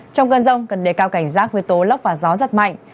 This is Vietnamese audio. trong cơn rông cần để cao cảnh rác với tố lóc và gió giặt mạnh